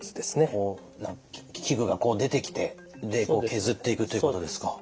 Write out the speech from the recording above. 器具がこう出てきて削っていくということですか。